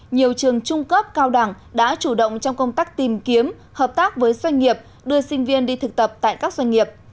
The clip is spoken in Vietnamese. nhiều trường trung cấp cao đẳng đã chủ động trong công tác tìm kiếm hợp tác với doanh nghiệp đưa sinh viên đi thực tập tại các doanh nghiệp